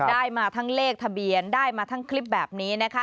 ได้มาทั้งเลขทะเบียนได้มาทั้งคลิปแบบนี้นะคะ